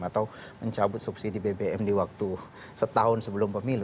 atau mencabut subsidi bbm di waktu setahun sebelum pemilu